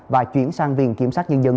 và chuyển sang viện kiểm sát nhân dân